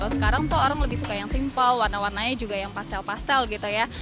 sekarang tuh orang lebih suka yang simple warna warnanya juga yang pastel pastel gitu ya